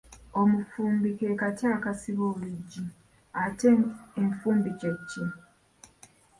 Omufumbi ke kati akasiba oluggi, ate enfumbi kye ki?